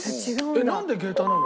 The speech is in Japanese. なんで下駄なの？